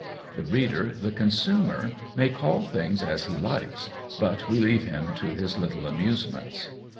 The reader, the consumer, may call things as he likes, but we leave him to his little amusements."